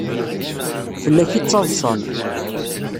Fell-ak i ttaḍsan.